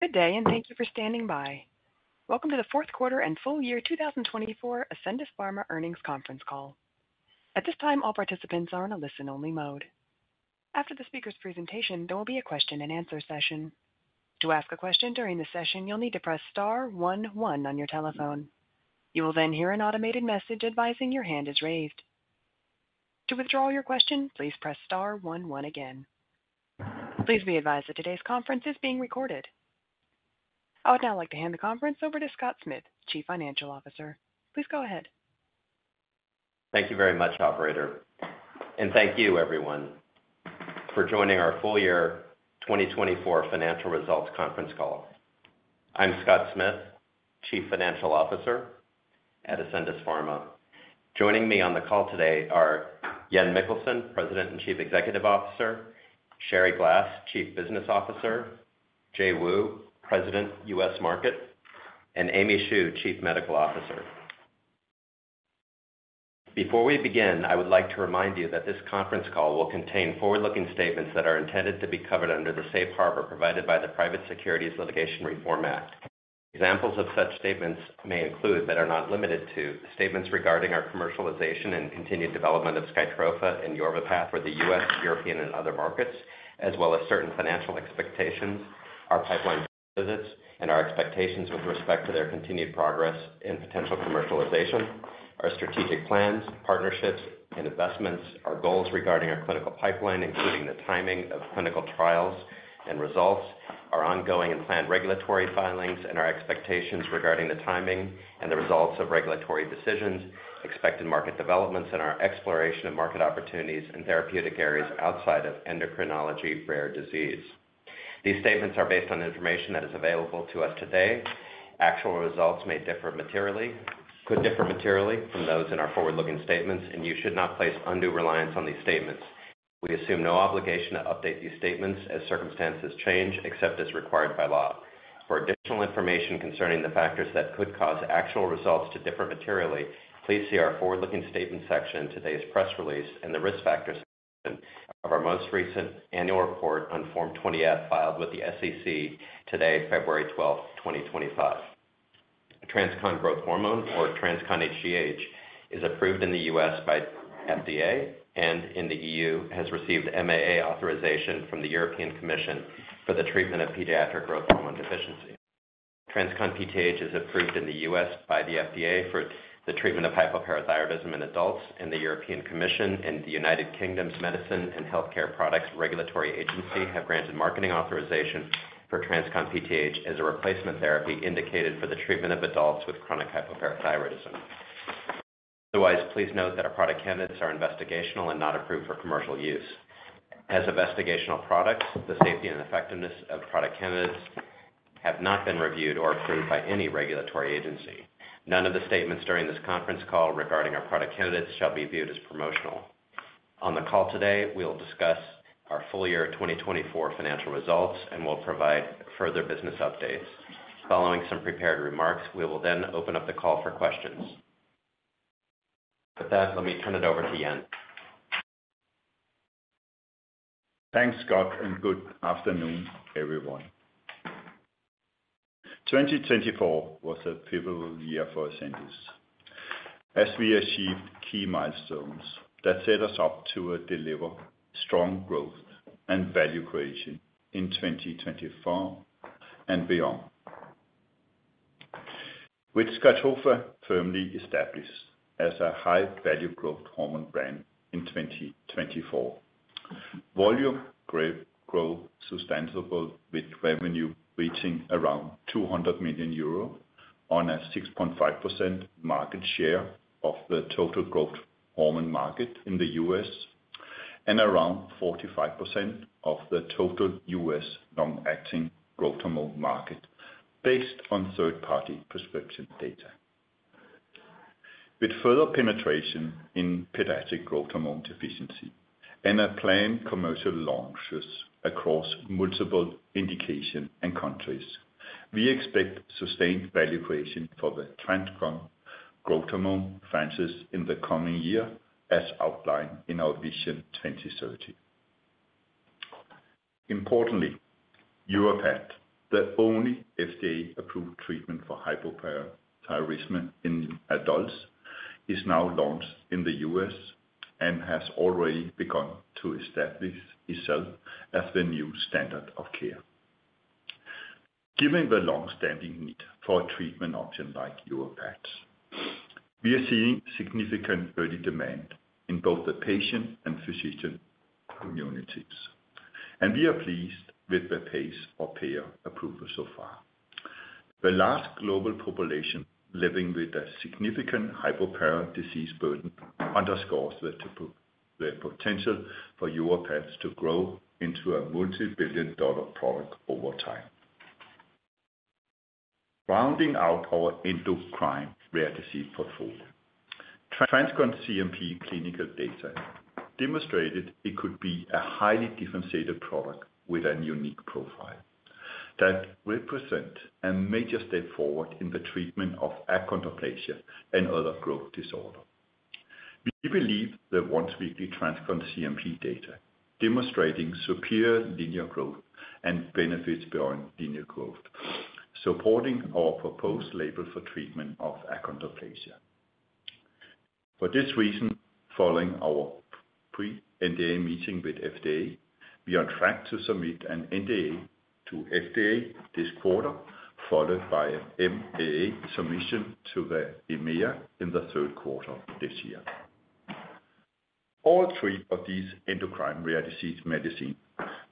Good day, and thank you for standing by. Welcome to the Q4 and Full Year 2024 Ascendis Pharma Earnings Conference Call. At this time, all participants are in a listen-only mode. After the speaker's presentation, there will be a question-and-answer session. To ask a question during the session, you'll need to press star one one on your telephone. You will then hear an automated message advising your hand is raised. To withdraw your question, please press star one one again. Please be advised that today's conference is being recorded. I would now like to hand the conference over to Scott Smith, Chief Financial Officer. Please go ahead. Thank you very much, Operator, and thank you, everyone, for joining our Full Year 2024 Financial Results Conference Call. I'm Scott Smith, Chief Financial Officer at Ascendis Pharma. Joining me on the call today are Jan Mikkelsen, President and Chief Executive Officer, Sherrie Glass, Chief Business Officer, Jay Wu, President, U.S. Market, and Aimee Shu, Chief Medical Officer. Before we begin, I would like to remind you that this conference call will contain forward-looking statements that are intended to be covered under the safe harbor provided by the Private Securities Litigation Reform Act. Examples of such statements may include, but are not limited to, statements regarding our commercialization and continued development of Skytrofa and Yorvipath for the U.S., European, and other markets, as well as certain financial expectations, our pipeline assets, and our expectations with respect to their continued progress and potential commercialization, our strategic plans, partnerships, and investments, our goals regarding our clinical pipeline, including the timing of clinical trials and results, our ongoing and planned regulatory filings, and our expectations regarding the timing and the results of regulatory decisions, expected market developments, and our exploration of market opportunities in therapeutic areas outside of endocrinology rare disease. These statements are based on information that is available to us today. Actual results may differ materially, could differ materially from those in our forward-looking statements, and you should not place undue reliance on these statements. We assume no obligation to update these statements as circumstances change, except as required by law. For additional information concerning the factors that could cause actual results to differ materially, please see our forward-looking statement section in today's press release and the risk factors section of our most recent annual report on Form 20-F filed with the SEC today, February 12th, 2025. TransCon Growth Hormone, or TransCon hGH, is approved in the U.S. by the FDA and in the EU, has received MAA authorization from the European Commission for the treatment of pediatric growth hormone deficiency. TransCon PTH is approved in the U.S. by the FDA for the treatment of hypoparathyroidism in adults, and the European Commission and the United Kingdom's Medicine and Healthcare Products Regulatory Agency have granted marketing authorization for TransCon PTH as a replacement therapy indicated for the treatment of adults with chronic hypoparathyroidism. Otherwise, please note that our product candidates are investigational and not approved for commercial use. As investigational products, the safety and effectiveness of product candidates have not been reviewed or approved by any regulatory agency. None of the statements during this conference call regarding our product candidates shall be viewed as promotional. On the call today, we will discuss our full year 2024 financial results and will provide further business updates. Following some prepared remarks, we will then open up the call for questions. With that, let me turn it over to Jan. Thanks, Scott, and good afternoon, everyone. 2024 was a pivotal year for Ascendis as we achieved key milestones that set us up to deliver strong growth and value creation in 2024 and beyond. With Skytrofa firmly established as a high-value growth hormone brand in 2024, volume grew substantial, with revenue reaching around 200 million euro on a 6.5% market share of the total growth hormone market in the U.S. and around 45% of the total U.S. long-acting growth hormone market, based on third-party prescription data. With further penetration in pediatric growth hormone deficiency and a planned commercial launch across multiple indication and countries, we expect sustained value creation for the TransCon growth hormone franchise in the coming year, as outlined in our Vision 2030. Importantly, Yorvipath, the only FDA-approved treatment for hypoparathyroidism in adults, is now launched in the U.S. And has already begun to establish itself as the new standard of care. Given the long-standing need for a treatment option like Yorvipath, we are seeing significant early demand in both the patient and physician communities, and we are pleased with the pace of payer approval so far. The large global population living with a significant hypoparathyroidism disease burden underscores the potential for Yorvipath to grow into a multi-billion dollar product over time. Rounding out our endocrine rare disease portfolio, TransCon CNP clinical data demonstrated it could be a highly differentiated product with a unique profile that represents a major step forward in the treatment of achondroplasia and other growth disorders. We believe the once-weekly TransCon CNP data demonstrates superior linear growth and benefits beyond linear growth, supporting our proposed label for treatment of achondroplasia. For this reason, following our pre-NDA meeting with FDA, we are on track to submit an NDA to FDA this quarter, followed by an MAA submission to the EMEA in the Q3 this year. All three of these endocrine rare disease medicines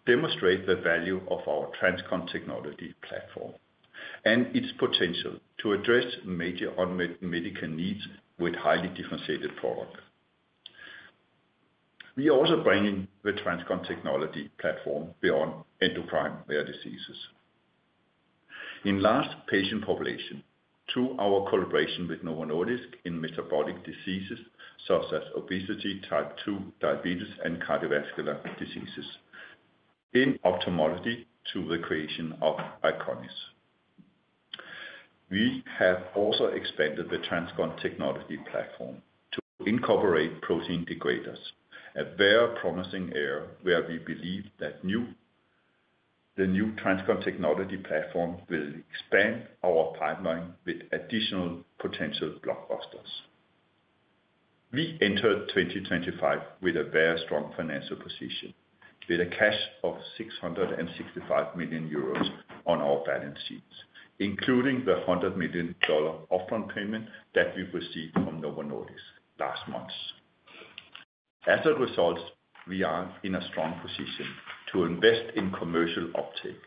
demonstrate the value of our TransCon technology platform and its potential to address major unmet medical needs with highly differentiated products. We are also bringing the TransCon technology platform beyond endocrine rare diseases. In large patient population, through our collaboration with Novo Nordisk in metabolic diseases such as obesity, type 2 diabetes, and cardiovascular diseases, in addition to the creation of Eyconis, we have also expanded the TransCon technology platform to incorporate protein degraders, a very promising area where we believe that the new TransCon technology platform will expand our pipeline with additional potential blockbusters. We entered 2025 with a very strong financial position, with a cash of € 665 million on our balance sheets, including the $100 million upfront payment that we received from Novo Nordisk last month. As a result, we are in a strong position to invest in commercial uptake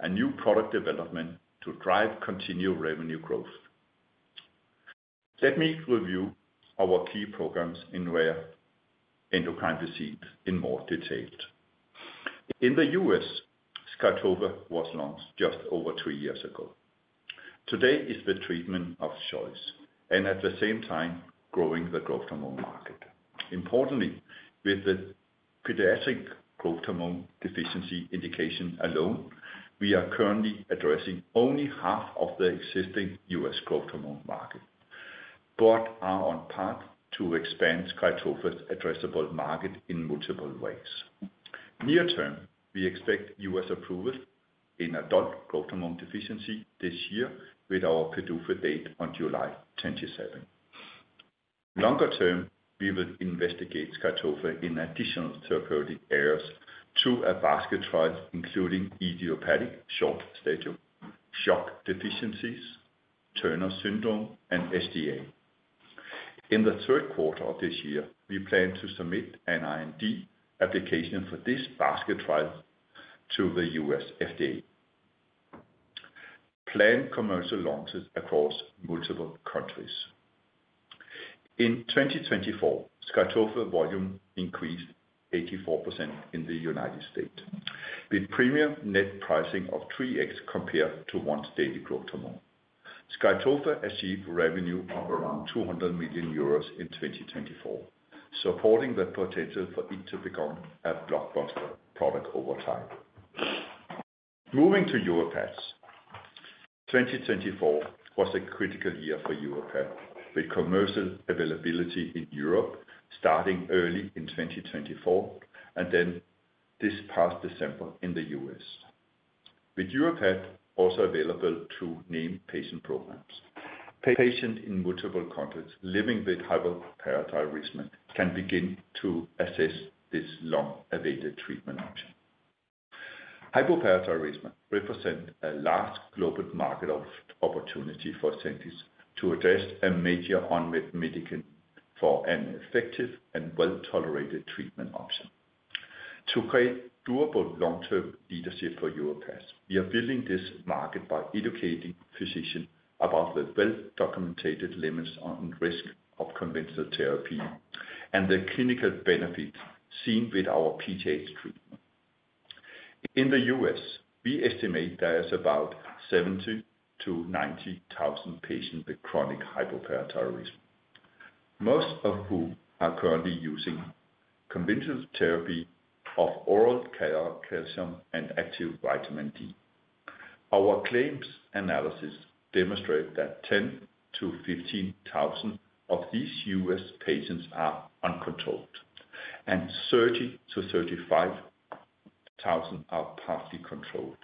and new product development to drive continued revenue growth. Let me review our key programs in rare endocrine disease in more detail. In the U.S., Skytrofa was launched just over two years ago. Today, it is the treatment of choice and at the same time growing the growth hormone market. Importantly, with the pediatric growth hormone deficiency indication alone, we are currently addressing only half of the existing U.S. growth hormone market, but are on path to expand Skytrofa's addressable market in multiple ways. Near term, we expect U.S. approval in adult growth hormone deficiency this year, with our PDUFA date on July 27. Longer term, we will investigate SKYTROFA in additional therapeutic areas through a basket trial, including idiopathic short stature, SHOX deficiencies, Turner syndrome, and SGA. In the Q3 of this year, we plan to submit an IND application for this basket trial to the U.S. FDA. Planned commercial launches across multiple countries. In 2024, SKYTROFA volume increased 84% in the United States, with premium net pricing of 3x compared to once-daily growth hormone. SKYTROFA achieved revenue of around 200 million euros in 2024, supporting the potential for it to become a blockbuster product over time. Moving to YORVIPATH, 2024 was a critical year for YORVIPATH, with commercial availability in Europe starting early in 2024 and then this past December in the U.S., with YORVIPATH also available through named patient programs. Patients in multiple countries living with hypoparathyroidism can begin to assess this long-awaited treatment option. Hypoparathyroidism represents a large global market opportunity for Ascendis to address a major unmet medical need for an effective and well-tolerated treatment option. To create durable long-term leadership for Yorvipath, we are building this market by educating physicians about the well-documented limits and risks of conventional therapy and the clinical benefits seen with our PTH treatment. In the U.S., we estimate there are about 70,000-90,000 patients with chronic hypoparathyroidism, most of whom are currently using conventional therapy of oral calcium and active vitamin D. Our claims analysis demonstrates that 10,000-15,000 of these U.S. patients are uncontrolled and 30,000-35,000 are partly controlled.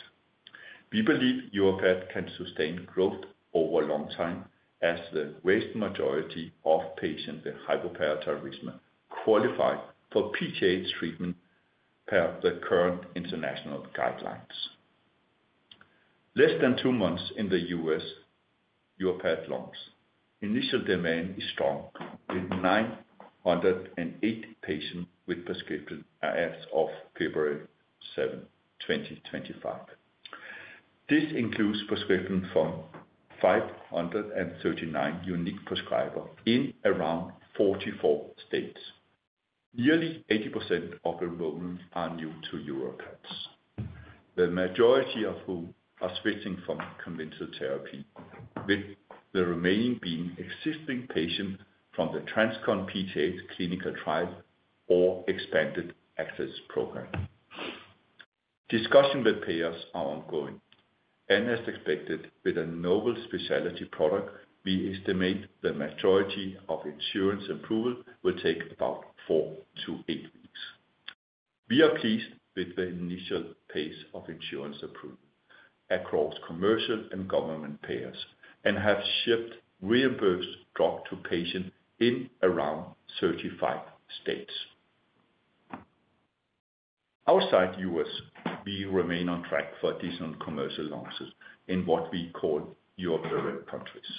We believe Yorvipath can sustain growth over a long time as the vast majority of patients with hypoparathyroidism qualify for PTH treatment per the current international guidelines. Less than two months in the U.S., Yorvipath launched. Initial demand is strong, with 908 patients with prescriptions as of February 7, 2025. This includes prescriptions from 539 unique prescribers in around 44 states. Nearly 80% of enrollments are new to Yorvipath, the majority of whom are switching from conventional therapy, with the remaining being existing patients from the TransCon PTH clinical trial or expanded access program. Discussions with payers are ongoing, and as expected, with a novel specialty product, we estimate the majority of insurance approval will take about four-to-eight weeks. We are pleased with the initial pace of insurance approval across commercial and government payers and have shipped reimbursed drugs to patients in around 35 states. Outside the U.S., we remain on track for additional commercial launches in what we call Europe's direct countries,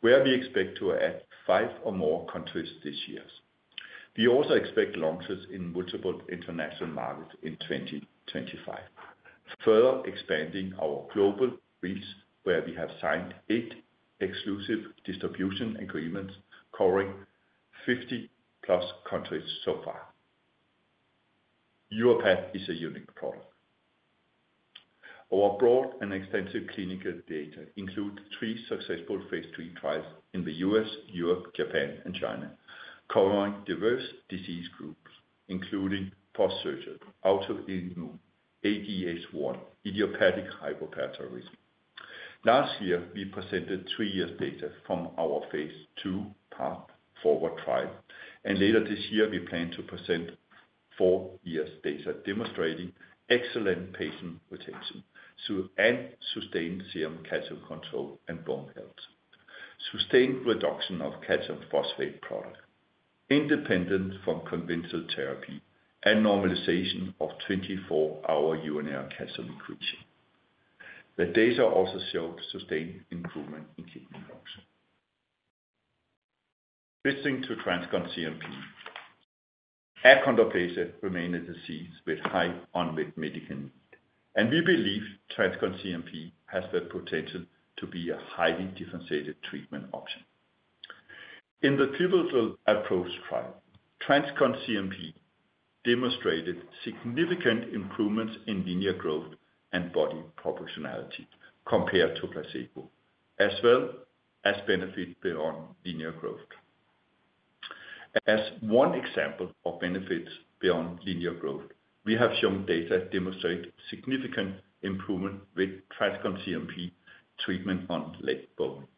where we expect to add five or more countries this year. We also expect launches in multiple international markets in 2025, further expanding our global reach, where we have signed eight exclusive distribution agreements covering 50-plus countries so far. Yorvipath is a unique product. Our broad and extensive clinical data include three successful Phase 3 trials in the U.S., Europe, Japan, and China, covering diverse disease groups, including post-surgery, autoimmune, ADH1, and idiopathic hypoparathyroidism. Last year, we presented three years' data from our Phase 2 path forward trial, and later this year, we plan to present four years' data demonstrating excellent patient retention and sustained serum calcium control and bone health, sustained reduction of calcium phosphate product independent from conventional therapy, and normalization of 24-hour urinary calcium excretion. The data also showed sustained improvement in kidney function. Listening to TransCon CNP, achondroplasia remains a disease with high unmet medical need, and we believe TransCon CNP has the potential to be a highly differentiated treatment option. In the pivotal APPROACH trial, TransCon CNP demonstrated significant improvements in linear growth and body proportionality compared to placebo, as well as benefits beyond linear growth. As one example of benefits beyond linear growth, we have shown data demonstrating significant improvement with TransCon CNP treatment on leg length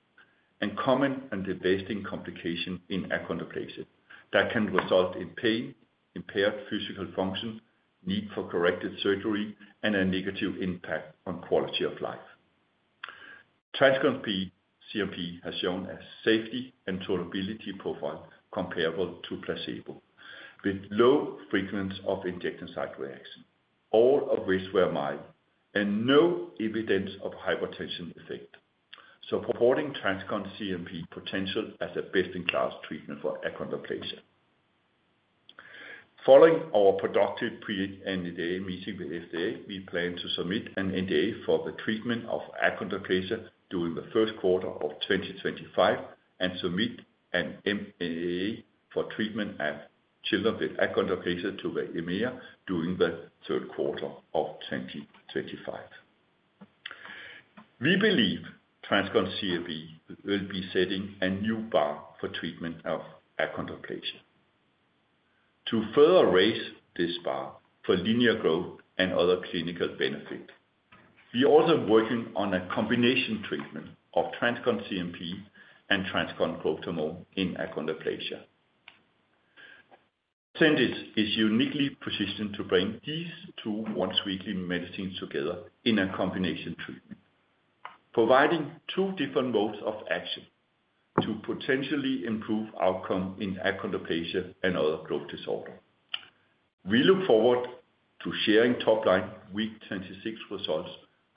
and common and devastating complications in achondroplasia that can result in pain, impaired physical function, need for corrective surgery, and a negative impact on quality of life. TransCon CNP has shown a safety and tolerability profile comparable to placebo, with low frequency of injection site reactions, all of which were mild, and no evidence of hypotensive effect, supporting TransCon CNP's potential as a best-in-class treatment for achondroplasia. Following our productive pre-NDA meeting with FDA, we plan to submit an NDA for the treatment of achondroplasia during the Q1 of 2025 and submit an MAA for treatment of children with achondroplasia to the EMEA during the Q3 of 2025. We believe TransCon CNP will be setting a new bar for treatment of achondroplasia. To further raise this bar for linear growth and other clinical benefits, we are also working on a combination treatment of TransCon CNP and TransCon Growth Hormone in achondroplasia. Ascendis is uniquely positioned to bring these two once-weekly medicines together in a combination treatment, providing two different modes of action to potentially improve outcomes in achondroplasia and other growth disorders. We look forward to sharing top-line week 26 results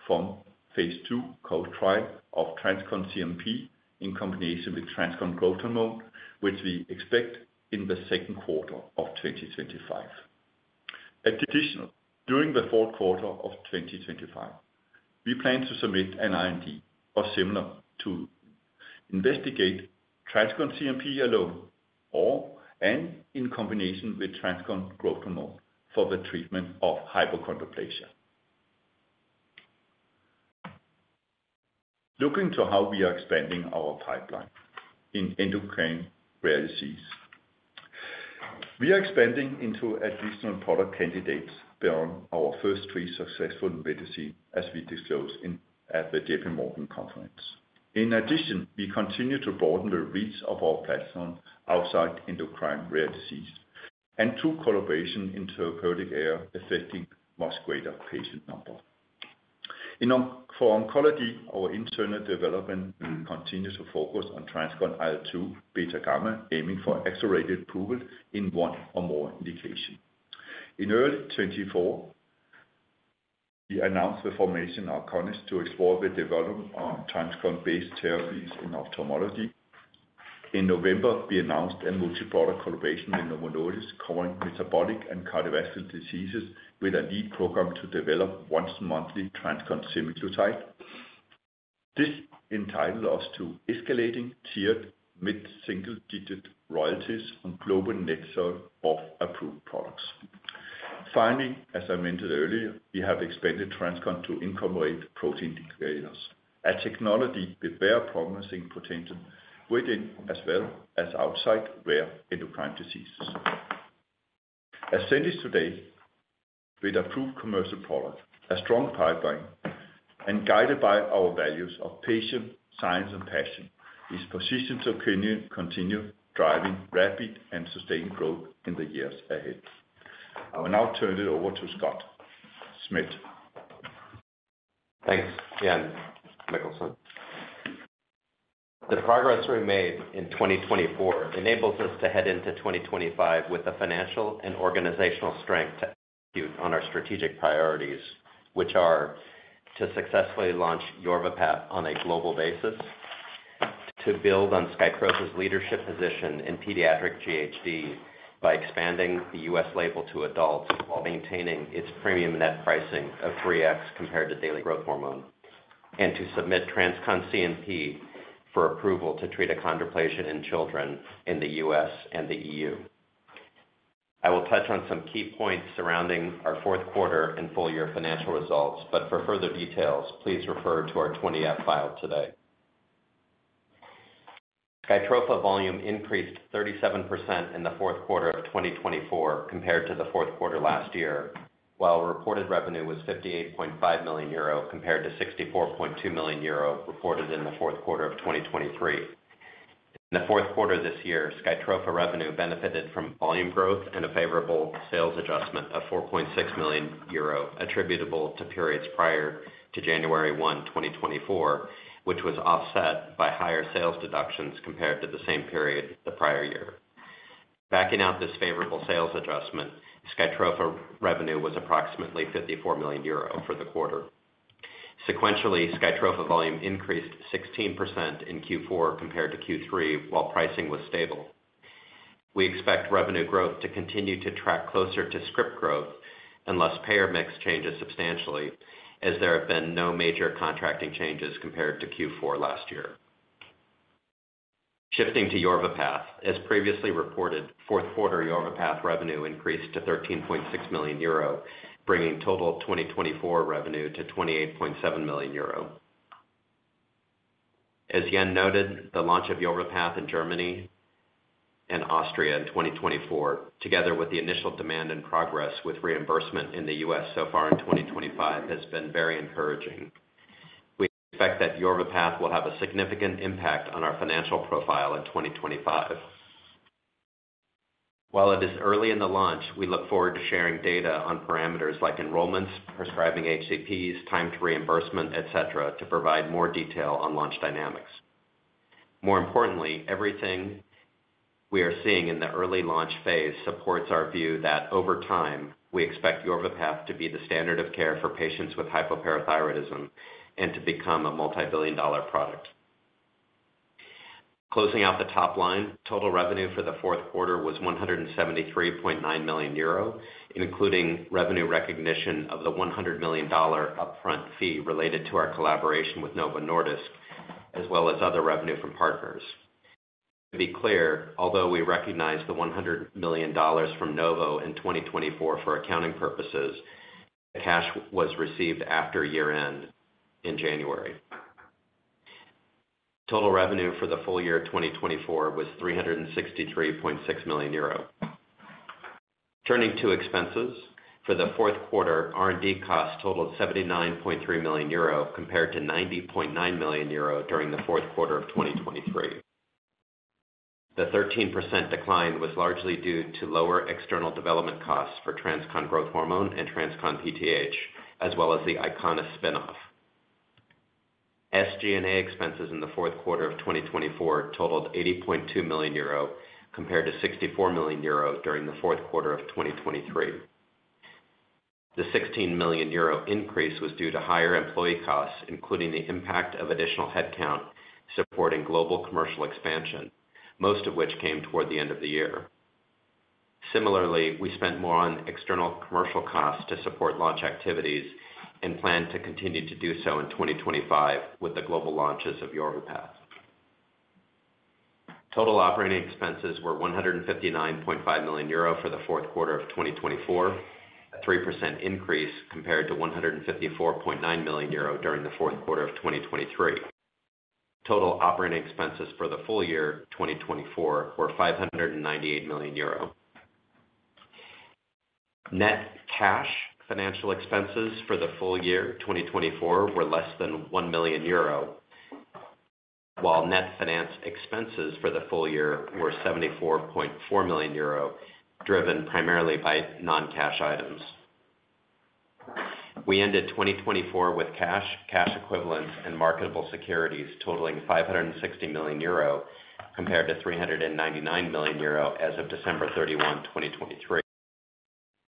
from phase 2 cohort trial of TransCon CNP in combination with TransCon Growth Hormone, which we expect in the Q2 of 2025. Additionally, during the Q4 of 2025, we plan to submit an IND or similar to investigate TransCon CNP alone and in combination with TransCon Growth Hormone for the treatment of hypochondroplasia. Looking to how we are expanding our pipeline in endocrine rare disease, we are expanding into additional product candidates beyond our first three successful medicines, as we disclosed at the J.P. Morgan conference. In addition, we continue to broaden the reach of our platform outside endocrine rare disease and through collaboration in therapeutic areas affecting much greater patient numbers. For oncology, our internal development will continue to focus on TransCon IL-2 beta-gamma, aiming for accelerated approval in one or more indications. In early 2024, we announced the formation of Eyconis to explore the development of TransCon-based therapies in ophthalmology. In November, we announced a multi-product collaboration with Novo Nordisk covering metabolic and cardiovascular diseases with a lead program to develop once-monthly TransCon semaglutide. This entitles us to escalating tiered mid-single-digit royalties on global net sales of approved products. Finally, as I mentioned earlier, we have expanded TransCon to incorporate protein degraders, a technology with very promising potential within as well as outside rare endocrine diseases. Ascendis today, with approved commercial products, a strong pipeline, and guided by our values of patient science and passion, is positioned to continue driving rapid and sustained growth in the years ahead. I will now turn it over to Scott Smith. Thanks, Jan Mikkelsen. The progress we made in 2024 enables us to head into 2025 with the financial and organizational strength to execute on our strategic priorities, which are to successfully launch Yorvipath on a global basis, to build on Skytrofa's leadership position in pediatric GHD by expanding the U.S. label to adults while maintaining its premium net pricing of 3x compared to daily growth hormone, and to submit TransCon CNP for approval to treat achondroplasia in children in the U.S. and the EU. I will touch on some key points surrounding our Q4 and full-year financial results, but for further details, please refer to our 20-F file today. Skytrofa volume increased 37% in the Q4 of 2024 compared to the Q4 last year, while reported revenue was €58.5 million compared to €64.2 million reported in the Q4 of 2023. In the Q4 this year, Skytrofa revenue benefited from volume growth and a favorable sales adjustment of 4.6 million euro attributable to periods prior to January 1, 2024, which was offset by higher sales deductions compared to the same period the prior year. Backing out this favorable sales adjustment, Skytrofa revenue was approximately 54 million euro for the quarter. Sequentially, Skytrofa volume increased 16% in Q4 compared to Q3, while pricing was stable. We expect revenue growth to continue to track closer to script growth unless payer mix changes substantially, as there have been no major contracting changes compared to Q4 last year. Shifting to Yorvipath, as previously reported, Q4 Yorvipath revenue increased to 13.6 million euro, bringing total 2024 revenue to 28.7 million euro. As Jan noted, the launch of Yorvipath in Germany and Austria in 2024, together with the initial demand and progress with reimbursement in the U.S. So far in 2025, has been very encouraging. We expect that Yorvipath will have a significant impact on our financial profile in 2025. While it is early in the launch, we look forward to sharing data on parameters like enrollments, prescribing HCPs, time to reimbursement, etc., to provide more detail on launch dynamics. More importantly, everything we are seeing in the early launch phase supports our view that over time, we expect Yorvipath to be the standard of care for patients with hypoparathyroidism and to become a multi-billion dollar product. Closing out the top line, total revenue for the Q4 was € 173.9 million, including revenue recognition of the $100 million upfront fee related to our collaboration with Novo Nordisk, as well as other revenue from partners. To be clear, although we recognize the $100 million from Novo in 2024 for accounting purposes, the cash was received after year-end in January. Total revenue for the full year 2024 was €363.6 million. Turning to expenses, for the fourth quarter, R&D costs totaled €79.3 million compared to €90.9 million during the fourth quarter of 2023. The 13% decline was largely due to lower external development costs for TransCon Growth Hormone and TransCon PTH, as well as the Eyconis spinoff. SG&A expenses in the fourth quarter of 2024 totaled €80.2 million compared to €64 million during the fourth quarter of 2023. The €16 million increase was due to higher employee costs, including the impact of additional headcount supporting global commercial expansion, most of which came toward the end of the year. Similarly, we spent more on external commercial costs to support launch activities and plan to continue to do so in 2025 with the global launches of Yorvipath. Total operating expenses were €159.5 million for the fourth quarter of 2024, a 3% increase compared to €154.9 million during the fourth quarter of 2023. Total operating expenses for the full year 2024 were €598 million. Net cash financial expenses for the full year 2024 were less than €1 million, while net finance expenses for the full year were €74.4 million, driven primarily by non-cash items. We ended 2024 with cash, cash equivalents, and marketable securities totaling €560 million compared to €399 million as of December 31, 2023.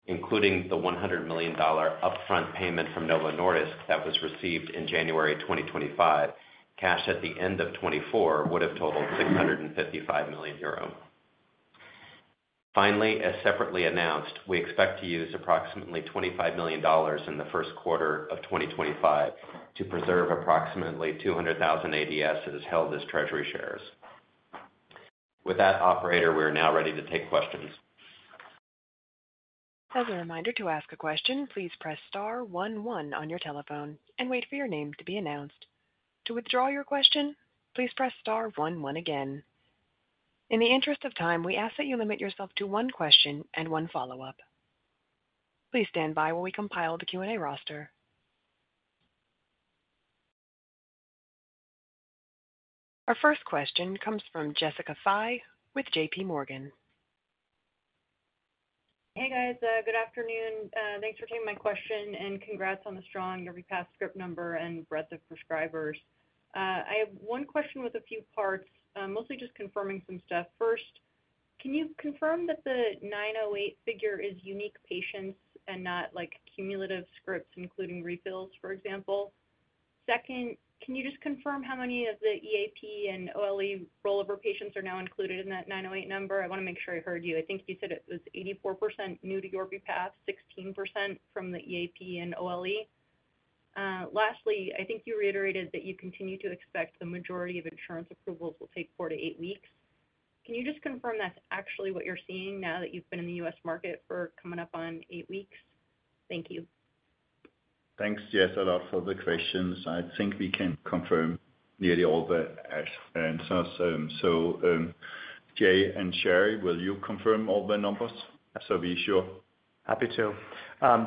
Including the $100 million upfront payment from Novo Nordisk that was received in January 2025, cash at the end of 2024 would have totaled €655 million. Finally, as separately announced, we expect to use approximately $25 million in the Q1 of 2025 to preserve approximately 200,000 ADS held as treasury shares. With that, operator, we are now ready to take questions. As a reminder to ask a question, please press star one one on your telephone and wait for your name to be announced. To withdraw your question, please press star one one again. In the interest of time, we ask that you limit yourself to one question and one follow-up. Please stand by while we compile the Q&A roster. Our first question comes from Jessica Fye with J.P. Morgan. Hey, guys. Good afternoon. Thanks for taking my question and congrats on the strong Yorvipath script number and breadth of prescribers. I have one question with a few parts, mostly just confirming some stuff. First, can you confirm that the 908 figure is unique patients and not cumulative scripts, including refills, for example? Second, can you just confirm how many of the EAP and OLE rollover patients are now included in that 908 number? I want to make sure I heard you. I think you said it was 84% new to Yorvipath, 16% from the EAP and OLE. Lastly, I think you reiterated that you continue to expect the majority of insurance approvals will take four to eight weeks. Can you just confirm that's actually what you're seeing now that you've been in the U.S. market for coming up on eight weeks? Thank you. Thanks, Jessica, a lot for the questions. I think we can confirm nearly all the answers. So Jay and Sherrie, will you confirm all the numbers so we're sure? Happy to.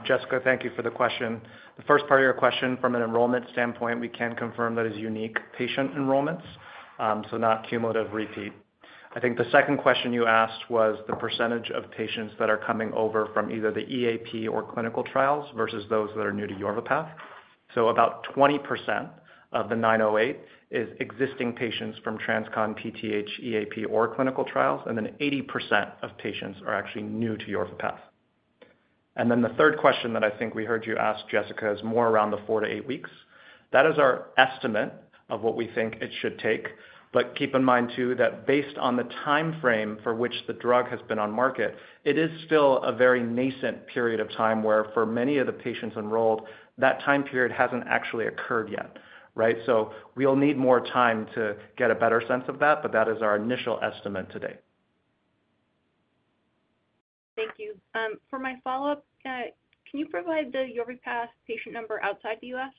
Jessica, thank you for the question. The first part of your question, from an enrollment standpoint, we can confirm that it is unique patient enrollments, so not cumulative repeat. I think the second question you asked was the percentage of patients that are coming over from either the EAP or clinical trials versus those that are new to Yorvipath. So about 20% of the 908 is existing patients from TransCon PTH, EAP, or clinical trials, and then 80% of patients are actually new to Yorvipath. And then the third question that I think we heard you ask, Jessica, is more around the four to eight weeks. That is our estimate of what we think it should take. But keep in mind, too, that based on the time frame for which the drug has been on market, it is still a very nascent period of time where for many of the patients enrolled, that time period hasn't actually occurred yet. So we'll need more time to get a better sense of that, but that is our initial estimate today. Thank you. For my follow-up, can you provide the Yorvipath patient number outside the U.S.?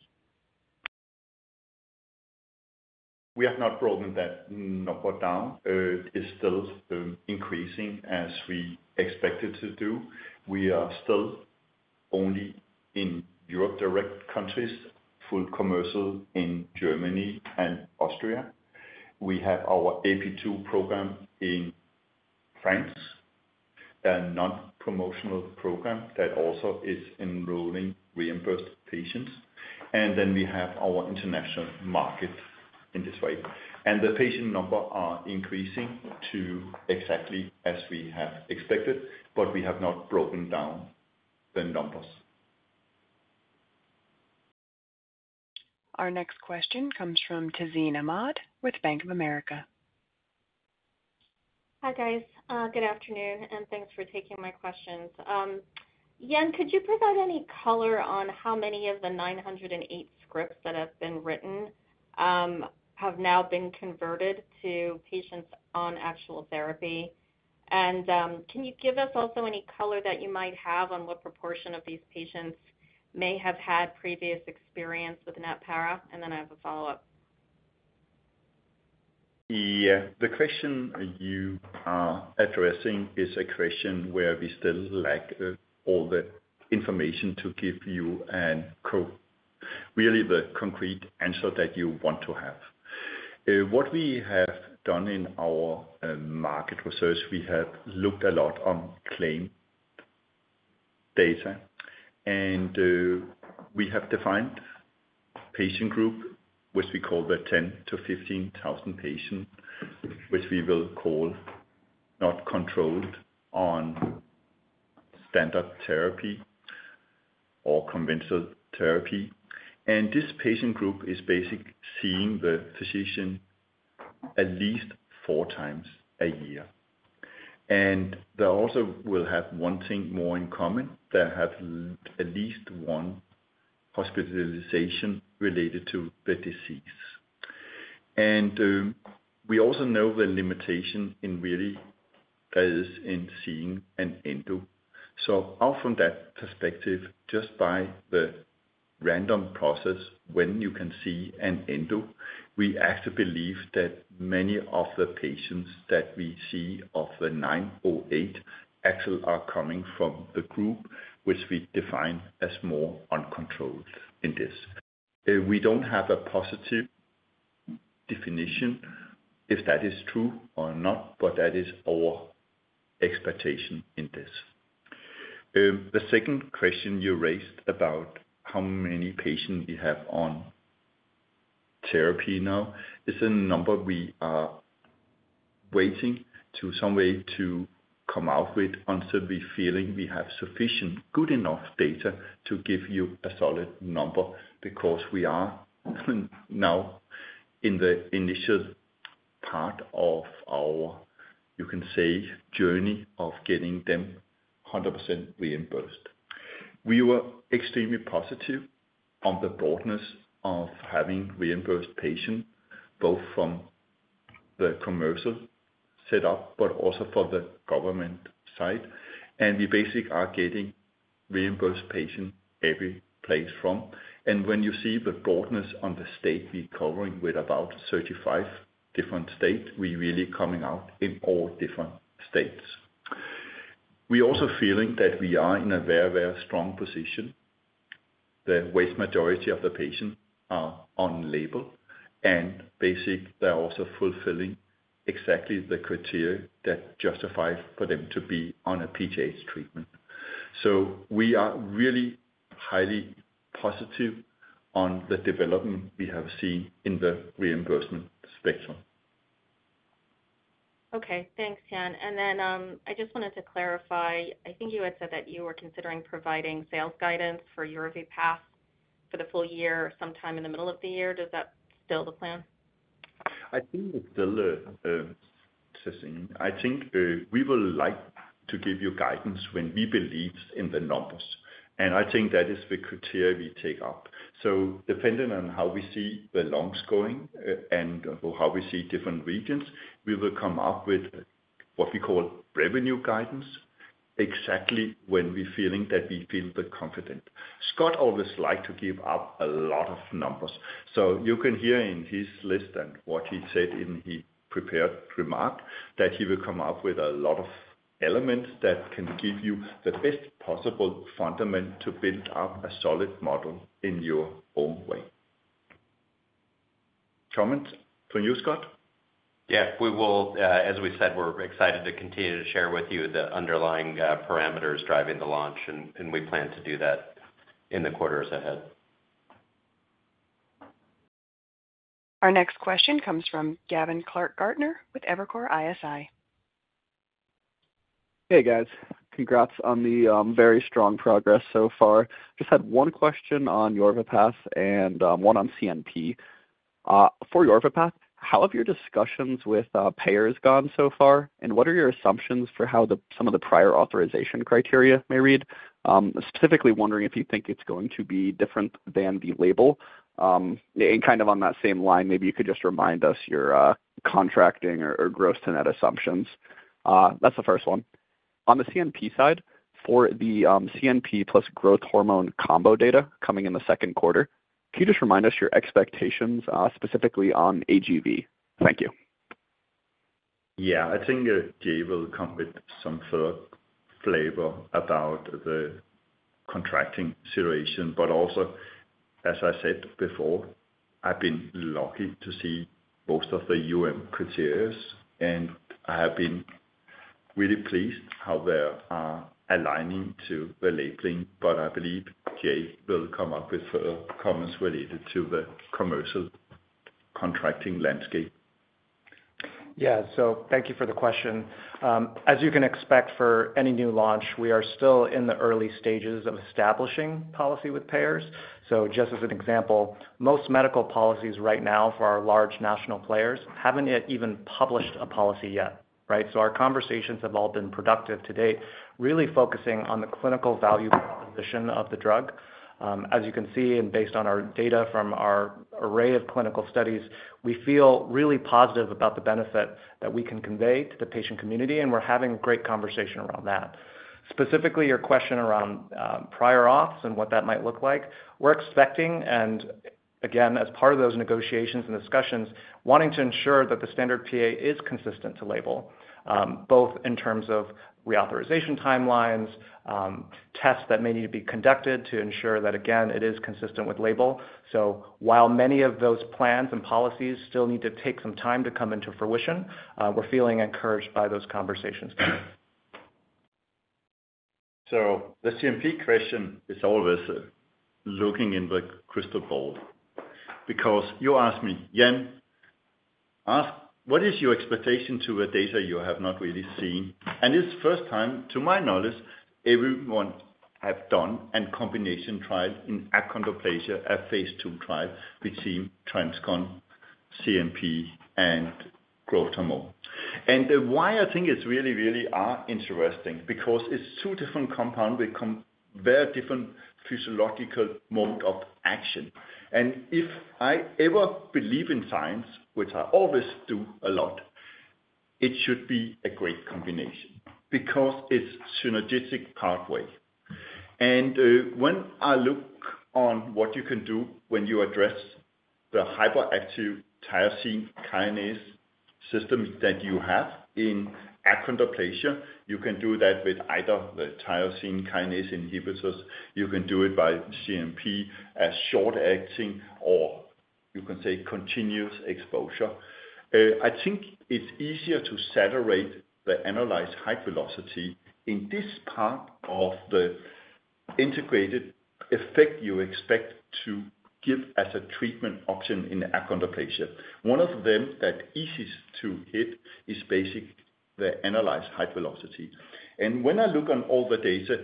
We have not broadened that number down. It is still increasing as we expected to do. We are still only in Europe direct countries, full commercial in Germany and Austria. We have our AP2 program in France, a non-promotional program that also is enrolling reimbursed patients. And then we have our international market in this way. The patient numbers are increasing exactly as we have expected, but we have not broken down the numbers. Our next question comes from Tazeen Ahmad with Bank of America. Hi, guys. Good afternoon, and thanks for taking my questions. Jan, could you provide any color on how many of the 908 scripts that have been written have now been converted to patients on actual therapy? And can you give us also any color that you might have on what proportion of these patients may have had previous experience with Natpara? And then I have a follow-up. Yeah. The question you are addressing is a question where we still lack all the information to give you really the concrete answer that you want to have. What we have done in our market research, we have looked a lot on claim data, and we have defined patient group, which we call the 10,000-15,000 patients, which we will call not controlled on standard therapy or conventional therapy, and this patient group is basically seeing the physician at least four times a year. And they also will have one thing more in common. They have at least one hospitalization related to the disease. And we also know the limitation in really that is in seeing an endo. So out from that perspective, just by the random process when you can see an endo, we actually believe that many of the patients that we see of the 908 actually are coming from the group, which we define as more uncontrolled in this. We don't have a positive definition if that is true or not, but that is our expectation in this. The second question you raised about how many patients we have on therapy now is a number we are waiting to some way to come out with until we feel we have sufficient good enough data to give you a solid number because we are now in the initial part of our, you can say, journey of getting them 100% reimbursed. We were extremely positive on the broadness of having reimbursed patients, both from the commercial setup but also for the government side. And we basically are getting reimbursed patients every place from, and when you see the broadness on the state we're covering with about 35 different states, we're really coming out in all different states. We're also feeling that we are in a very, very strong position. The vast majority of the patients are on label, and basically, they're also fulfilling exactly the criteria that justify for them to be on a PTH treatment. So we are really highly positive on the development we have seen in the reimbursement spectrum. Okay. Thanks, Jan, and then I just wanted to clarify. I think you had said that you were considering providing sales guidance for Yorvipath for the full year, sometime in the middle of the year. Is that still the plan? I think it's still the same. I think we would like to give you guidance when we believe in the numbers. And I think that is the criteria we take up. So depending on how we see the launches going and how we see different regions, we will come up with what we call revenue guidance exactly when we're feeling that we feel confident. Scott always liked to give up a lot of numbers. So you can hear in his list and what he said in his prepared remark that he will come up with a lot of elements that can give you the best possible foundation to build up a solid model in your own way. Comments from you, Scott? Yeah. As we said, we're excited to continue to share with you the underlying parameters driving the launch, and we plan to do that in the quarters ahead. Our next question comes from Gavin Clark-Gartner with Evercore ISI. Hey, guys. Congrats on the very strong progress so far. Just had one question on Yorvipath and one on CNP. For Yorvipath, how have your discussions with payers gone so far, and what are your assumptions for how some of the prior authorization criteria may read? Specifically wondering if you think it's going to be different than the label, and kind of on that same line, maybe you could just remind us your contracting or gross to net assumptions. That's the first one. On the CNP side, for the CNP plus growth hormone combo data coming in the Q2, can you just remind us your expectations specifically on AHV? Thank you. Yeah. I think Jay will come with some further flavor about the contracting situation, but also, as I said before, I've been lucky to see most of the criteria, and I have been really pleased how they are aligning to the labeling, but I believe Jay will come up with further comments related to the commercial contracting landscape. Yeah, so thank you for the question. As you can expect for any new launch, we are still in the early stages of establishing policy with payers. So just as an example, most medical policies right now for our large national players haven't yet even published a policy yet. So our conversations have all been productive to date, really focusing on the clinical value proposition of the drug. As you can see, and based on our data from our array of clinical studies, we feel really positive about the benefit that we can convey to the patient community, and we're having a great conversation around that. Specifically, your question around prior auths and what that might look like, we're expecting, and again, as part of those negotiations and discussions, wanting to ensure that the standard PA is consistent with label, both in terms of reauthorization timelines, tests that may need to be conducted to ensure that, again, it is consistent with label. So while many of those plans and policies still need to take some time to come into fruition, we're feeling encouraged by those conversations. So the CNP question is always looking in the crystal ball because you asked me, as what is your expectation for the data you have not really seen. And the first time, to my knowledge, anyone has done a combination trial in achondroplasia, a Phase 2 trial between TransCon CNP and growth hormone. Why I think it's really, really interesting because it's two different compounds with very different physiological mode of action. If I ever believe in science, which I always do a lot, it should be a great combination because it's a synergistic pathway. When I look on what you can do when you address the hyperactive tyrosine kinase system that you have in achondroplasia, you can do that with either the tyrosine kinase inhibitors. You can do it by CNP as short-acting or you can say continuous exposure. I think it's easier to saturate the analyzed high velocity in this part of the integrated effect you expect to give as a treatment option in achondroplasia. One of them that's easiest to hit is basically the analyzed high velocity. And when I look on all the data,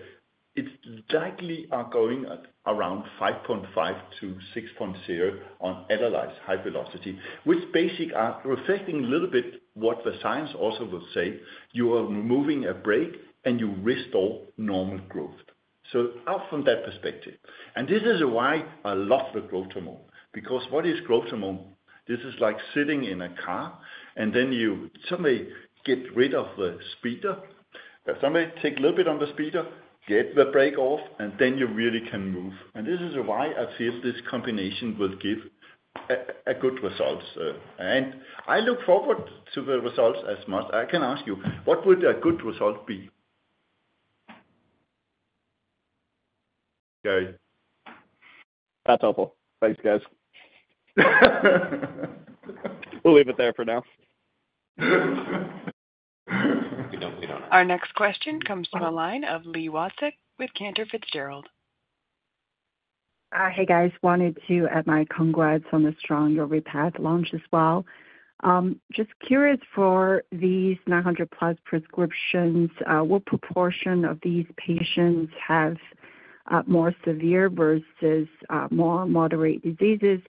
it likely is going around 5.5 to 6.0 on annualized height velocity, which basically is reflecting a little bit what the science also will say. You are removing a brake, and you restore normal growth. So out from that perspective, and this is why I love the growth hormone because what is growth hormone? This is like sitting in a car, and then you suddenly get rid of the speeder. Suddenly, take a little bit on the speeder, get the brake off, and then you really can move. And this is why I feel this combination will give a good result. And I look forward to the results as much. I can ask you, what would a good result be? That's helpful. Thanks, guys. We'll leave it there for now. We don't know. Our next question comes from a line of Li Watsek with Cantor Fitzgerald. Hey, guys. I wanted to add my congrats on the strong Yorvipath launch as well. Just curious for these 900-plus prescriptions, what proportion of these patients have more severe versus more moderate diseases?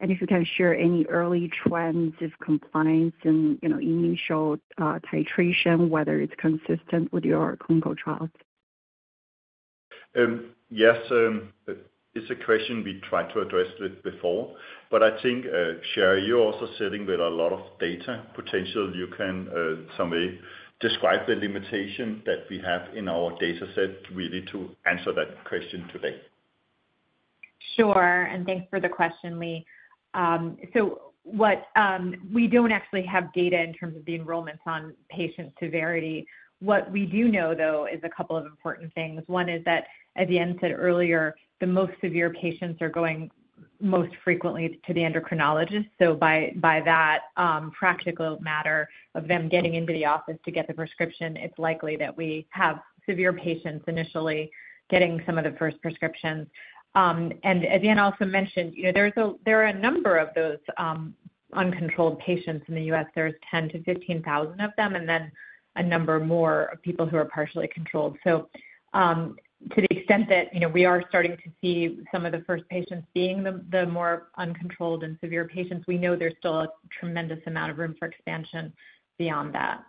And if you can share any early trends of compliance and initial titration, whether it's consistent with your clinical trials. Yes. It's a question we tried to address with before, but I think, Sherrie, you're also sitting with a lot of data potential. You can someway describe the limitation that we have in our dataset really to answer that question today. Sure, and thanks for the question, Li. So we don't actually have data in terms of the enrollments on patient severity. What we do know, though, is a couple of important things. One is that, as Jan said earlier, the most severe patients are going most frequently to the endocrinologist. So by that practical matter of them getting into the office to get the prescription, it's likely that we have severe patients initially getting some of the first prescriptions. And as Jan also mentioned, there are a number of those uncontrolled patients in the U.S. There's 10,000 to 15,000 of them, and then a number more of people who are partially controlled. So to the extent that we are starting to see some of the first patients being the more uncontrolled and severe patients, we know there's still a tremendous amount of room for expansion beyond that.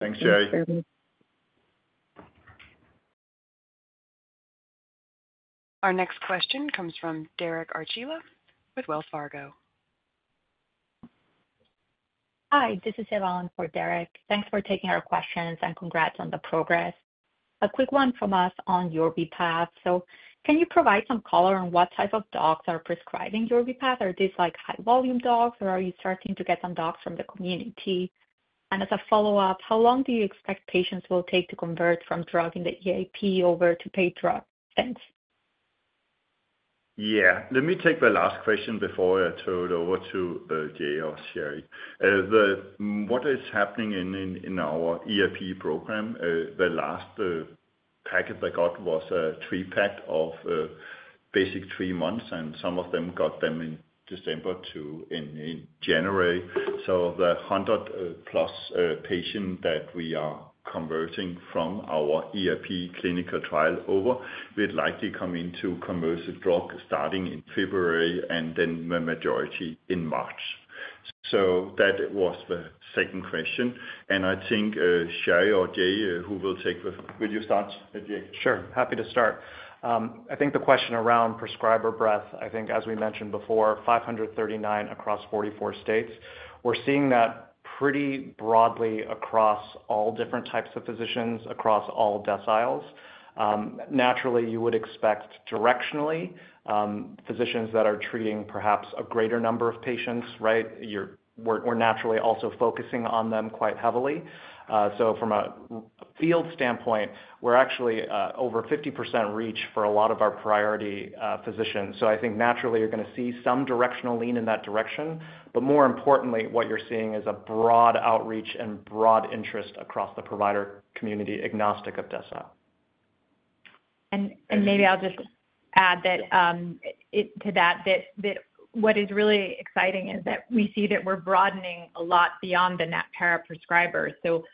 Thanks, Sherrie. Our next question comes from Derek Archila with Wells Fargo. Hi. This is Yvonne for Derek. Thanks for taking our questions and congrats on the progress. A quick one from us on Yorvipath. Can you provide some color on what type of docs are prescribing Yorvipath? Are these high-volume docs, or are you starting to get some docs from the community? And as a follow-up, how long do you expect patients will take to convert from drug in the EAP over to paid drug? Thanks. Yeah. Let me take the last question before I throw it over to Jay or Sherry. What is happening in our EAP program? The last batch I got was a three-pack of basic three months, and some of them got them in December into January. So the 100-plus patients that we are converting from our EAP clinical trial over will likely come into commercial drug starting in February and then the majority in March. So that was the second question. And I think Sherrie or Jay, who will take the, will you start, Jay? Sure. Happy to start. I think the question around prescriber breadth, I think, as we mentioned before, 539 across 44 states. We're seeing that pretty broadly across all different types of physicians across all deciles. Naturally, you would expect directionally physicians that are treating perhaps a greater number of patients, right? We're naturally also focusing on them quite heavily. So from a field standpoint, we're actually over 50% reach for a lot of our priority physicians. So I think naturally, you're going to see some directional lean in that direction. But more importantly, what you're seeing is a broad outreach and broad interest across the provider community agnostic of decile. And maybe I'll just add to that that what is really exciting is that we see that we're broadening a lot beyond the Natpara prescriber. So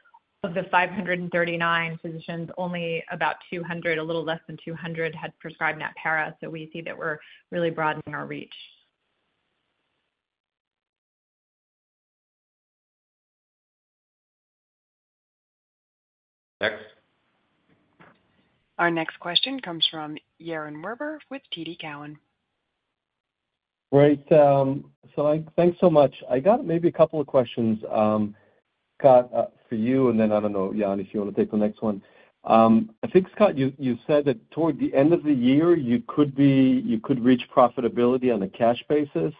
of the 539 physicians, only about 200, a little less than 200, had prescribed Natpara. So we see that we're really broadening our reach. Next. Our next question comes from Yaron Werber with TD Cowen. Right. So thanks so much. I got maybe a couple of questions, Scott, for you, and then I don't know, Jan, if you want to take the next one. I think, Scott, you said that toward the end of the year, you could reach profitability on a cash basis.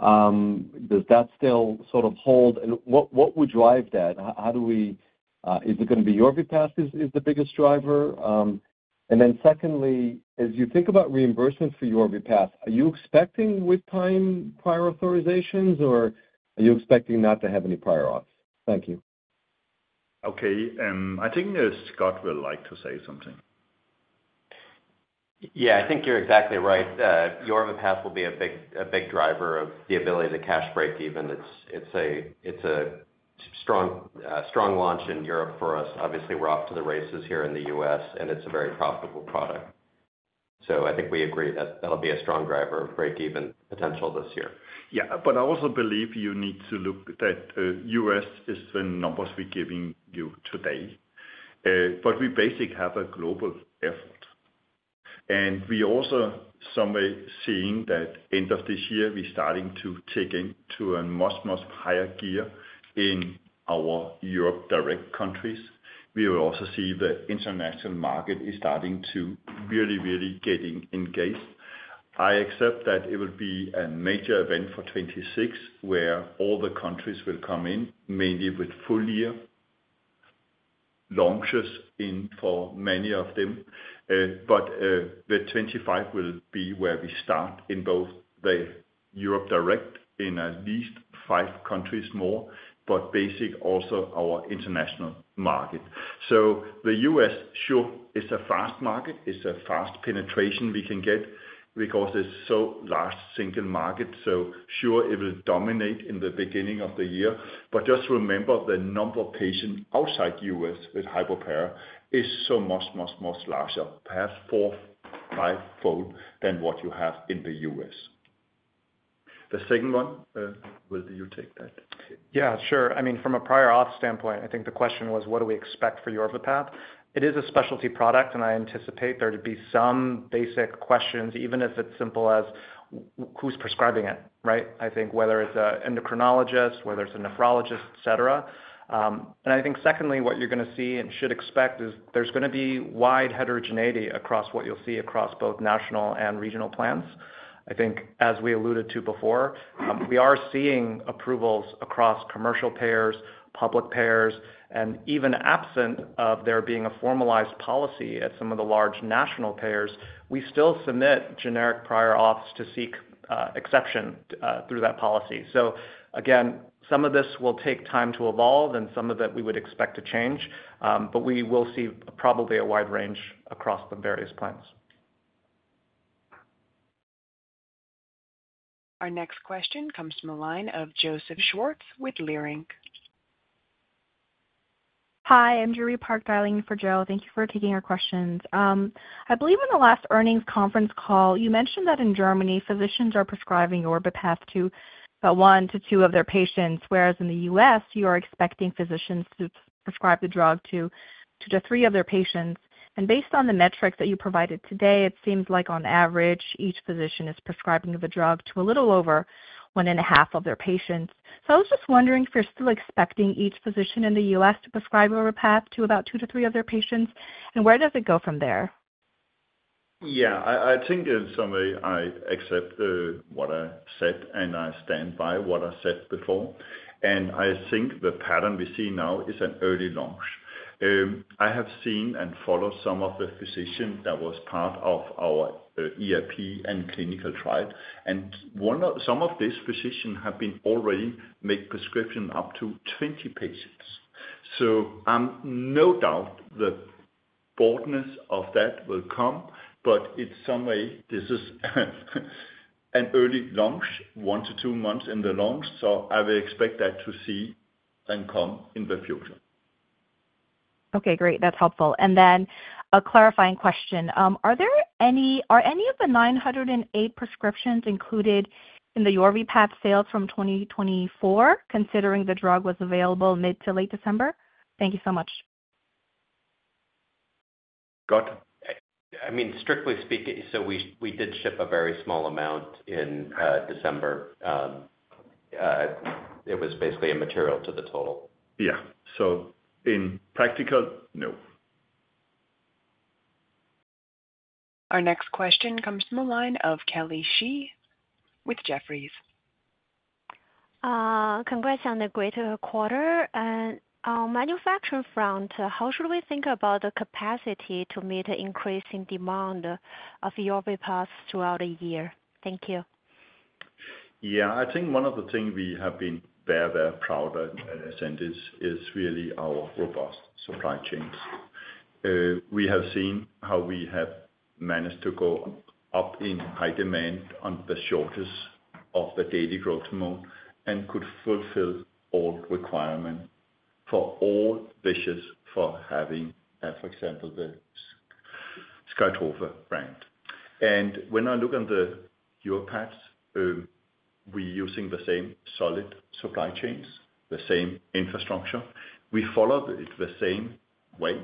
Does that still sort of hold? And what would drive that? Is it going to be Yorvipath is the biggest driver? And then secondly, as you think about reimbursement for Yorvipath, are you expecting with time prior authorizations, or are you expecting not to have any prior auths? Thank you. Okay. I think Scott will like to say something. Yeah. I think you're exactly right. Yorvipath will be a big driver of the ability to cash break even. It's a strong launch in Europe for us. Obviously, we're off to the races here in the U.S., and it's a very profitable product. So I think we agree that that'll be a strong driver of break-even potential this year. Yeah. But I also believe you need to look at the U.S. in the numbers we're giving you today. But we basically have a global effort. And we're also seeing that by the end of this year, we're starting to take it to a much, much higher gear in our European direct countries. We will also see the international market is starting to really, really get engaged. I expect that it will be a major event for 2026, where all the countries will come in, mainly with full-year launches in for many of them. But the 2025 will be where we start in both Europe directly in at least five countries more, but basically also our international market. So the U.S., sure, is a fast market. It's a fast penetration we can get because it's so large single market. So sure, it will dominate in the beginning of the year. But just remember the number of patients outside the U.S. with hypoparathyroidism is so much, much, much larger, perhaps four, fivefold than what you have in the U.S. The second one, will you take that? Yeah. Sure. I mean, from a prior auth standpoint, I think the question was, what do we expect for Yorvipath? It is a specialty product, and I anticipate there to be some basic questions, even if it's simple as who's prescribing it, right? I think whether it's an endocrinologist, whether it's a nephrologist, etc. And I think secondly, what you're going to see and should expect is there's going to be wide heterogeneity across what you'll see across both national and regional plans. I think as we alluded to before, we are seeing approvals across commercial payers, public payers, and even absent of there being a formalized policy at some of the large national payers, we still submit generic prior auths to seek exception through that policy. So again, some of this will take time to evolve, and some of it we would expect to change. But we will see probably a wide range across the various plans. Our next question comes from a line of Joseph Schwartz with Leerink. Hi. I'm Joori Park for Joe. Thank you for taking our questions. I believe in the last earnings conference call, you mentioned that in Germany, physicians are prescribing Yorvipath to one to two of their patients, whereas in the U.S., you are expecting physicians to prescribe the drug to two to three of their patients. And based on the metrics that you provided today, it seems like on average, each physician is prescribing the drug to a little over one and a half of their patients. So I was just wondering if you're still expecting each physician in the U.S. to prescribe Yorvipath to about two to three of their patients, and where does it go from there? Yeah. I think in summary, I accept what I said, and I stand by what I said before. And I think the pattern we see now is an early launch. I have seen and followed some of the physicians that were part of our EAP and clinical trial. And some of these physicians have been already making prescriptions up to 20 patients. So I'm no doubt the boldness of that will come, but in some way, this is an early launch, one to two months in the launch. So I would expect that to see and come in the future. Okay. Great. That's helpful. And then a clarifying question. Are any of the 908 prescriptions included in the Yorvipath sales from 2024, considering the drug was available mid to late December? Thank you so much. Scott. I mean, strictly speaking, so we did ship a very small amount in December. It was basically immaterial to the total. Yeah. So in practice, no. Our next question comes from a line of Kelly Shi with Jefferies. Congrats on the great quarter. And on manufacturing front, how should we think about the capacity to meet increasing demand of Yorvipath throughout the year? Thank you. Yeah. I think one of the things we have been very, very proud of is really our robust supply chains. We have seen how we have managed to go up in high demand on the shortest of the daily growth mode and could fulfill all requirements for all visions for having, for example, the Skytrofa brand. And when I look on the Yorvipath, we're using the same solid supply chains, the same infrastructure. We follow it the same way.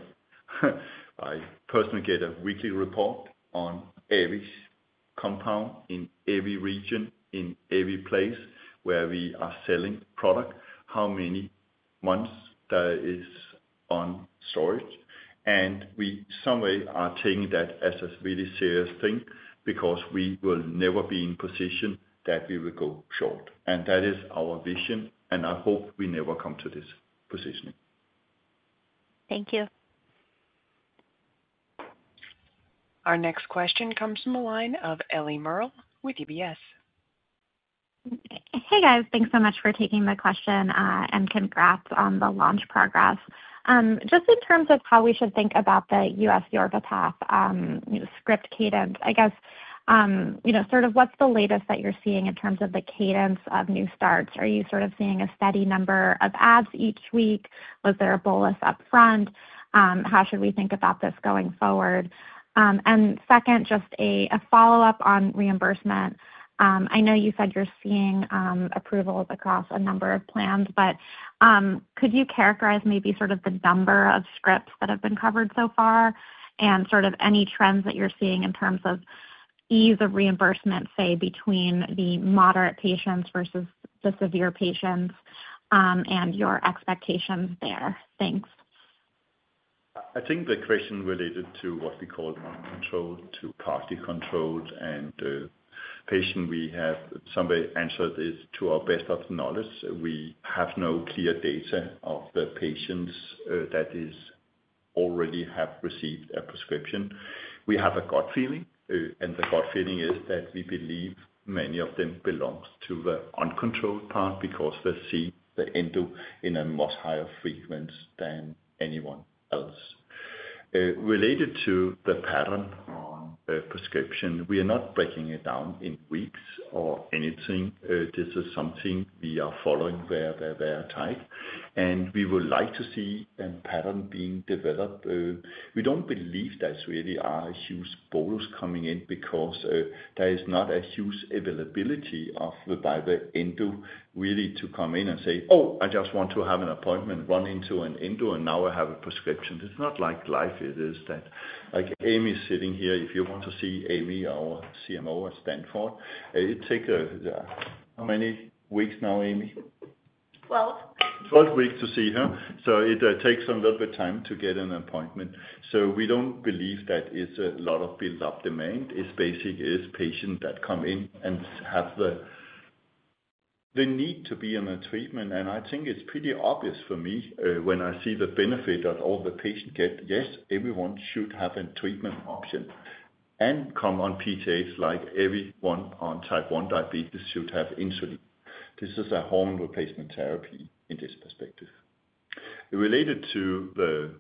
I personally get a weekly report on every compound in every region, in every place where we are selling product, how many months that is on storage. We somehow are taking that as a really serious thing because we will never be in a position that we will go short. That is our vision, and I hope we never come to this position. Thank you. Our next question comes from a line of Ellie Merle with UBS. Hey, guys. Thanks so much for taking the question and congrats on the launch progress. Just in terms of how we should think about the U.S. Yorvipath script cadence, I guess sort of what's the latest that you're seeing in terms of the cadence of new starts? Are you sort of seeing a steady number of adds each week? Was there a bolus upfront? How should we think about this going forward? And second, just a follow-up on reimbursement. I know you said you're seeing approvals across a number of plans, but could you characterize maybe sort of the number of scripts that have been covered so far and sort of any trends that you're seeing in terms of ease of reimbursement, say, between the moderate patients versus the severe patients and your expectations there? Thanks. I think the question related to what we call non-controlled to partly controlled and patient we have somewhat answered is to our best of knowledge. We have no clear data of the patients that already have received a prescription. We have a gut feeling, and the gut feeling is that we believe many of them belong to the uncontrolled part because they see the endo in a much higher frequency than anyone else. Related to the pattern on prescription, we are not breaking it down in weeks or anything. This is something we are following very, very, very tight. And we would like to see a pattern being developed. We don't believe that's really a huge bolus coming in because there is not a huge availability of the endo really to come in and say, "Oh, I just want to have an appointment, run into an endo, and now I have a prescription." It's not like life is that like Aimee's sitting here. If you want to see Aimee, our CMO at Stanford, it takes how many weeks now, Aimee? 12. 12 weeks to see her. So it takes a little bit of time to get an appointment. So we don't believe that it's a lot of built-up demand. It's basically patients that come in and have the need to be on a treatment. I think it's pretty obvious for me when I see the benefit that all the patients get. Yes, everyone should have a treatment option and come on PTHs like everyone on type 1 diabetes should have insulin. This is a hormone replacement therapy in this perspective. Related to the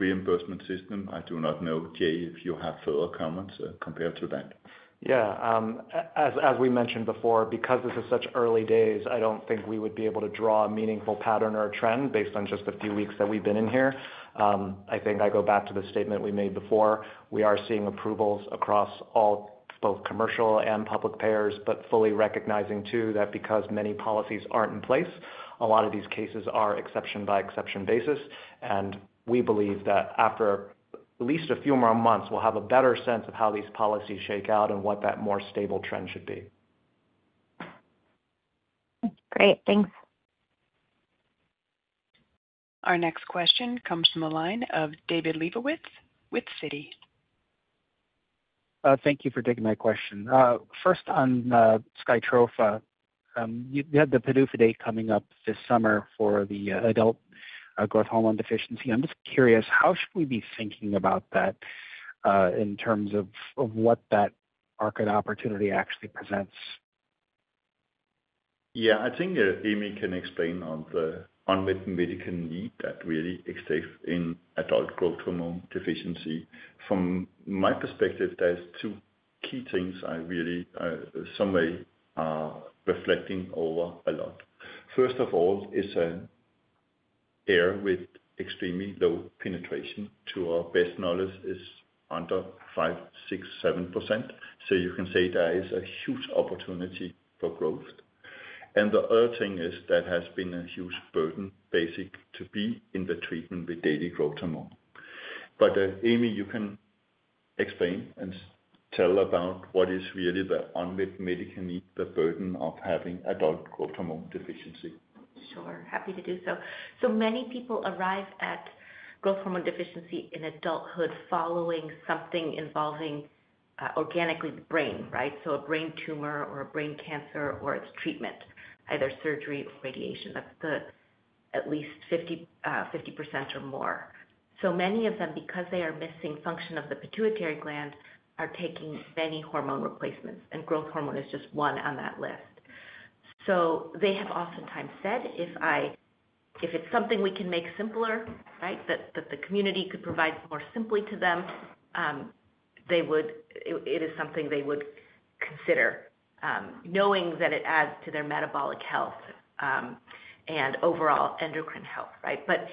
reimbursement system, I do not know, Jay, if you have further comments compared to that. Yeah. As we mentioned before, because this is such early days, I don't think we would be able to draw a meaningful pattern or a trend based on just a few weeks that we've been in here. I think I go back to the statement we made before. We are seeing approvals across both commercial and public payers, but fully recognizing too that because many policies aren't in place, a lot of these cases are exception-by-exception basis. We believe that after at least a few more months, we'll have a better sense of how these policies shake out and what that more stable trend should be. Great. Thanks. Our next question comes from the line of David Lebowitz with Citi. Thank you for taking my question. First, on Skytrofa, you had the PDUFA date coming up this summer for the adult growth hormone deficiency. I'm just curious, how should we be thinking about that in terms of what that market opportunity actually presents? Yeah. I think Aimee can explain on the unmet medical need that really exists in adult growth hormone deficiency. From my perspective, there's two key things I really somewhat are reflecting over a lot. First of all, it's an area with extremely low penetration to our best knowledge is under 5, 6, 7%. So you can say there is a huge opportunity for growth. And the other thing is that has been a huge burden, basically, to be on the treatment with daily growth hormone. But Aimee, you can explain and tell about what is really the unmet medical need, the burden of having adult growth hormone deficiency. Sure. Happy to do so. So many people arrive at growth hormone deficiency in adulthood following something involving organically the brain, right? So a brain tumor or a brain cancer or its treatment, either surgery or radiation. That's at least 50% or more. So many of them, because they are missing function of the pituitary gland, are taking many hormone replacements, and growth hormone is just one on that list. They have oftentimes said, "If it's something we can make simpler, right, that the community could provide more simply to them, it is something they would consider knowing that it adds to their metabolic health and overall endocrine health," right? But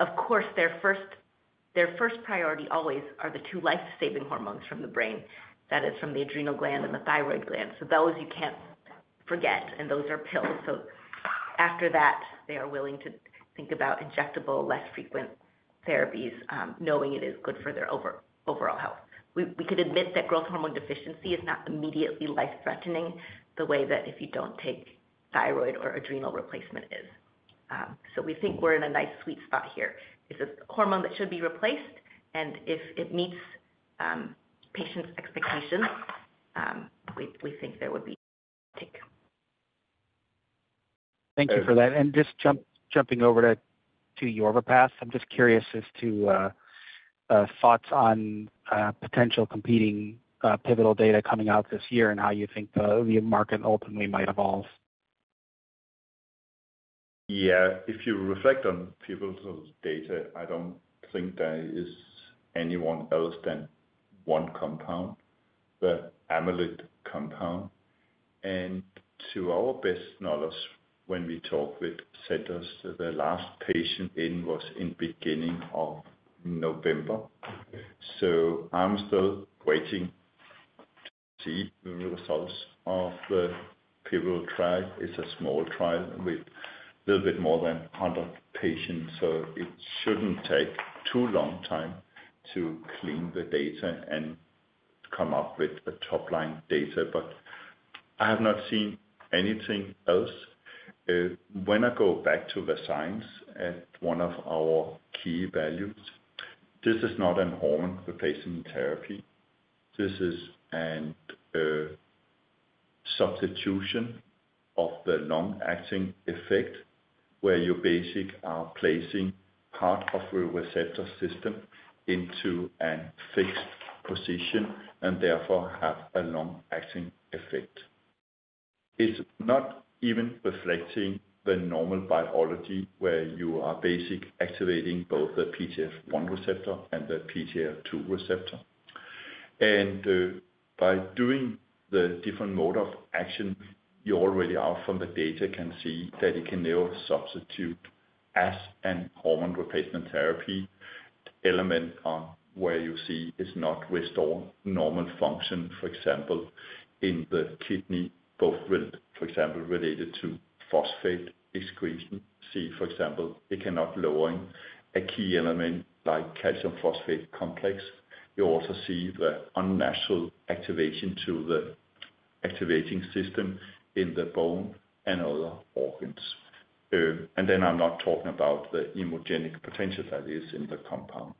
of course, their first priority always are the two life-saving hormones from the brain, that is, from the adrenal gland and the thyroid gland. Those you can't forget, and those are pills. After that, they are willing to think about injectable, less frequent therapies knowing it is good for their overall health. We could admit that growth hormone deficiency is not immediately life-threatening the way that if you don't take thyroid or adrenal replacement is. We think we're in a nice sweet spot here. It's a hormone that should be replaced, and if it meets patients' expectations, we think there would be a take. Thank you for that. And just jumping over to Yorvipath, I'm just curious as to thoughts on potential competing pivotal data coming out this year and how you think the market ultimately might evolve? Yeah. If you reflect on pivotal data, I don't think there is anyone else than one compound, the Amolyt compound. And to our best knowledge, when we talk with centers, the last patient in was in the beginning of November. So I'm still waiting to see the results of the pivotal trial. It's a small trial with a little bit more than 100 patients. So it shouldn't take too long time to clean the data and come up with a top-line data. But I have not seen anything else. When I go back to the science at one of our key values, this is not a hormone replacement therapy. This is a substitution of the long-acting effect where you basically are placing part of a receptor system into a fixed position and therefore have a long-acting effect. It's not even reflecting the normal biology where you are basically activating both the PTH-1 receptor and the PTH-2 receptor. By doing the different mode of action, you already are from the data can see that it can now substitute as a hormone replacement therapy. One element where you see it is not restored normal function, for example, in the kidney related to phosphate excretion. For example, it cannot lower a key element like calcium phosphate complex. You also see the unnatural activation to the activating system in the bone and other organs. Then I'm not talking about the immunogenic potential that is in the compound.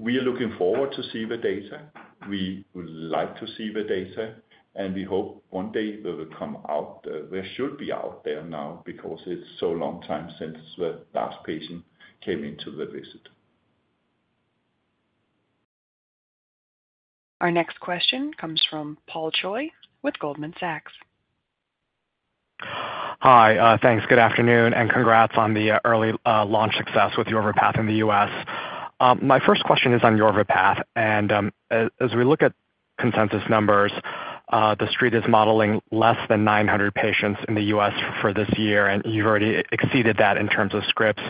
We are looking forward to seeing the data. We would like to see the data, and we hope one day it will come out. There should be out there now because it's so long time since the last patient came into the visit. Our next question comes from Paul Choi with Goldman Sachs. Hi. Thanks. Good afternoon. And congrats on the early launch success with Yorvipath in the U.S. My first question is on Yorvipath. And as we look at consensus numbers, the street is modeling less than 900 patients in the U.S. for this year, and you've already exceeded that in terms of scripts. So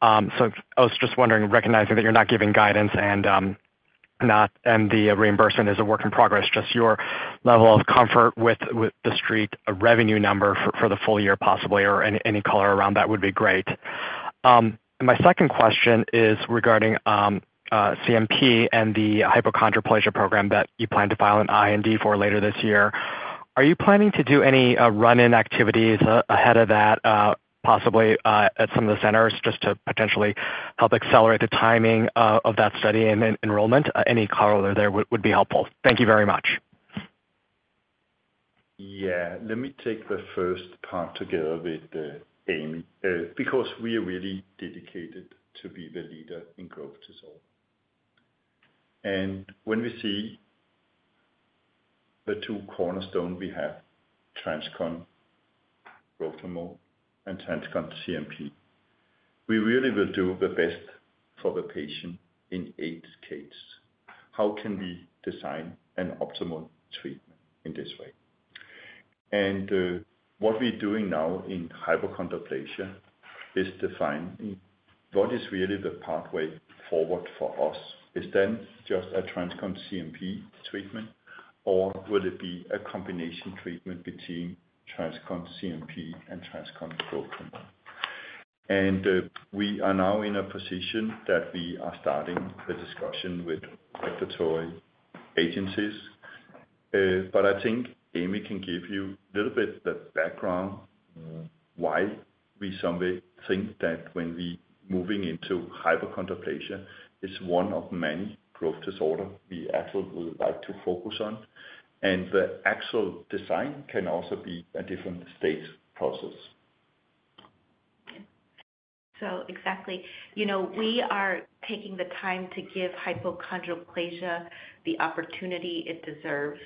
I was just wondering, recognizing that you're not giving guidance and the reimbursement is a work in progress, just your level of comfort with the street, a revenue number for the full year possibly or any color around that would be great. My second question is regarding CNP and the hypochondroplasia program that you plan to file an IND for later this year. Are you planning to do any run-in activities ahead of that, possibly at some of the centers just to potentially help accelerate the timing of that study and enrollment? Any color there would be helpful. Thank you very much. Yeah. Let me take the first part together with Amy because we are really dedicated to be the leader in growth disorder. And when we see the two cornerstones we have, TransCon Growth Hormone and TransCon CNP, we really will do the best for the patient in the States. How can we design an optimal treatment in this way? And what we're doing now in hypochondroplasia is defining what is really the pathway forward for us. Is that just a TransCon CNP treatment, or will it be a combination treatment between TransCon CNP and TransCon Growth Hormone? We are now in a position that we are starting the discussion with regulatory agencies. But I think Aimee can give you a little bit of the background why we someway think that when we're moving into hypochondroplasia, it's one of many growth disorders we actually would like to focus on. And the actual design can also be a different stage process. So exactly. We are taking the time to give hypochondroplasia the opportunity it deserves.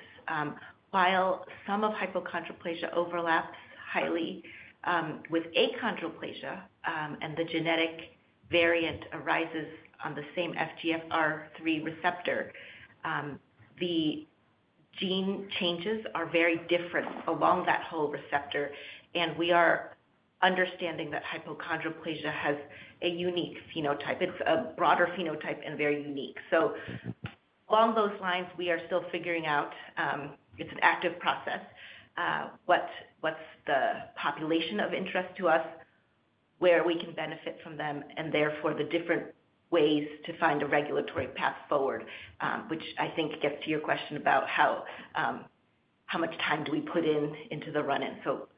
While some of hypochondroplasia overlaps highly with achondroplasia and the genetic variant arises on the same FGFR3 receptor, the gene changes are very different along that whole receptor. And we are understanding that hypochondroplasia has a unique phenotype. It's a broader phenotype and very unique. So along those lines, we are still figuring out it's an active process. What's the population of interest to us where we can benefit from them and therefore the different ways to find a regulatory path forward, which I think gets to your question about how much time do we put into the run-in. So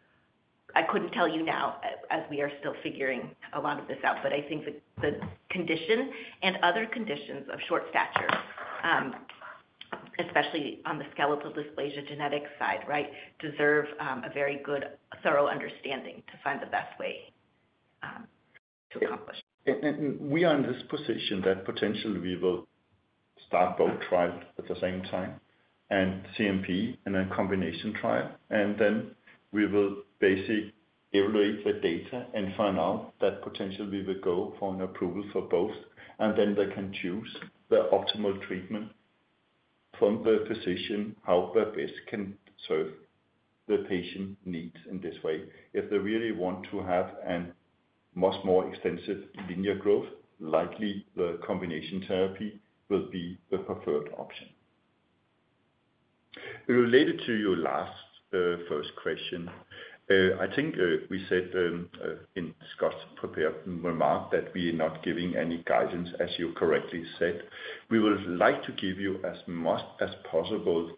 I couldn't tell you now as we are still figuring a lot of this out, but I think the condition and other conditions of short stature, especially on the skeletal dysplasia genetic side, right, deserve a very good thorough understanding to find the best way to accomplish. And we are in this position that potentially we will start both trials at the same time and CNP in a combination trial. And then we will basically evaluate the data and find out that potentially we will go for an approval for both. Then they can choose the optimal treatment from the physician, how the best can serve the patient needs in this way. If they really want to have a much more extensive linear growth, likely the combination therapy will be the preferred option. Related to your last first question, I think we said in Scott's prepared remark that we are not giving any guidance, as you correctly said. We would like to give you as much as possible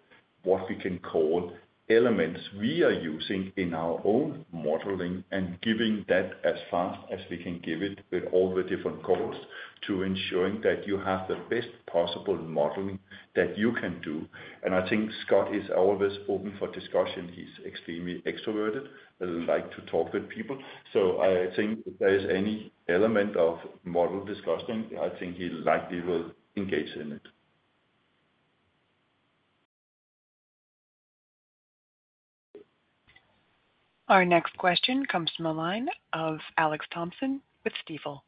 what we can call elements we are using in our own modeling and giving that as fast as we can give it with all the different goals to ensuring that you have the best possible modeling that you can do. I think Scott is always open for discussion. He's extremely extroverted and likes to talk with people. So I think if there is any element of model discussion, I think he likely will engage in it. Our next question comes from a line of Alex Thompson with Stifel.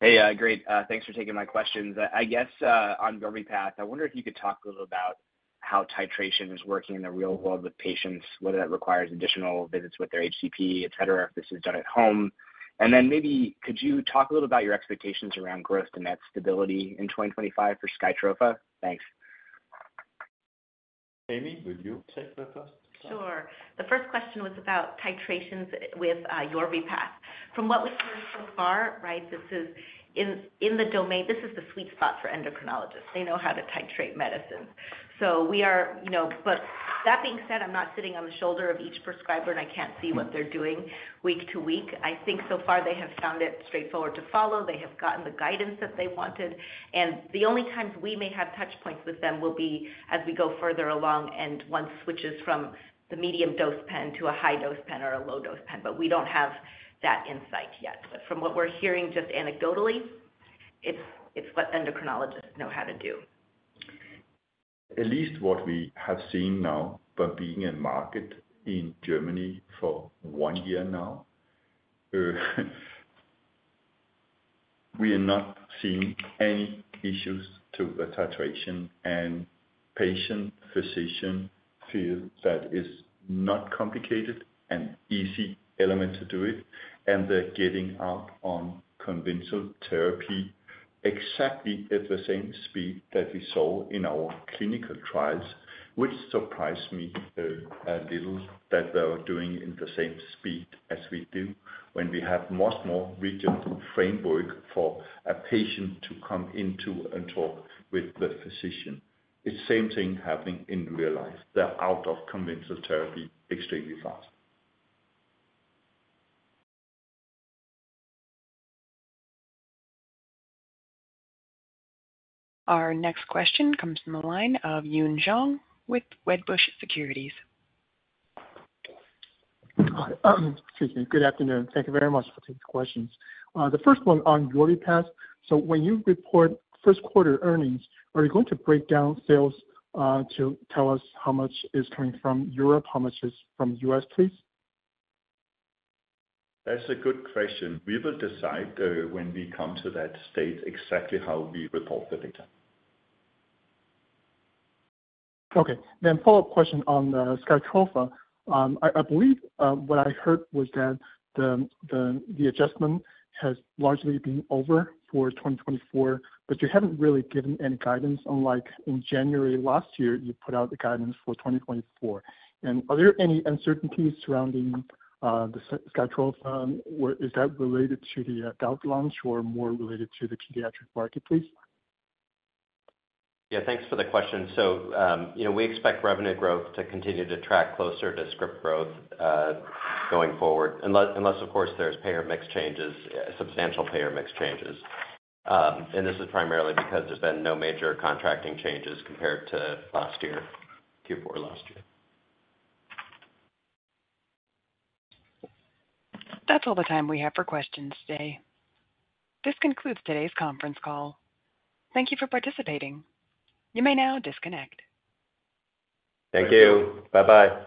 Hey, great. Thanks for taking my questions. I guess on Yorvipath, I wonder if you could talk a little about how titration is working in the real world with patients, whether that requires additional visits with their HCP, etc., if this is done at home. And then maybe could you talk a little about your expectations around growth and that stability in 2025 for Skytrofa? Thanks. Aimee, would you take the first? Sure. The first question was about titrations with Yorvipath. From what we've heard so far, right, this is in the domain, this is the sweet spot for endocrinologists. They know how to titrate medicines. So, we are, but that being said, I'm not sitting on the shoulder of each prescriber, and I can't see what they're doing week to week. I think so far they have found it straightforward to follow. They have gotten the guidance that they wanted. And the only times we may have touch points with them will be as we go further along and one switches from the medium dose pen to a high dose pen or a low dose pen. But we don't have that insight yet. But from what we're hearing just anecdotally, it's what endocrinologists know how to do. At least what we have seen now, but being in market in Germany for one year now, we are not seeing any issues to the titration. And patient physician feel that it's not complicated and easy element to do it. They're getting out on conventional therapy exactly at the same speed that we saw in our clinical trials, which surprised me a little that they were doing it at the same speed as we do when we have much more rigid framework for a patient to come into and talk with the physician. It's the same thing happening in real life. They're out of conventional therapy extremely fast. Our next question comes from a line of Yun Zhong with Wedbush Securities. Excuse me. Good afternoon. Thank you very much for taking the questions. The first one on Yorvipath. So when you report Q1 earnings, are you going to break down sales to tell us how much is coming from Europe, how much is from the U.S., please? That's a good question. We will decide when we come to that state exactly how we report the data. Okay. Then, follow-up question on Skytrofa. I believe what I heard was that the adjustment has largely been over for 2024, but you haven't really given any guidance, unlike in January last year. You put out the guidance for 2024. And are there any uncertainties surrounding the Skytrofa? Is that related to the gout launch or more related to the pediatric market, please? Yeah. Thanks for the question. So we expect revenue growth to continue to track closer to script growth going forward, unless, of course, there's payer mix changes, substantial payer mix changes. And this is primarily because there's been no major contracting changes compared to last year, Q4 last year. That's all the time we have for questions today. This concludes today's conference call. Thank you for participating. You may now disconnect. Thank you. Bye-bye.